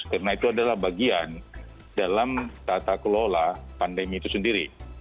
karena itu adalah bagian dalam tata kelola pandemi itu sendiri